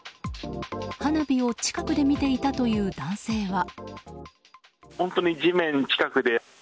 花火を近くで見ていたという男性は。